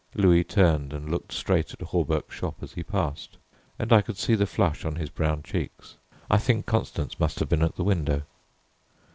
Louis turned and looked straight at Hawberk's shop as he passed, and I could see the flush on his brown cheeks. I think Constance must have been at the window.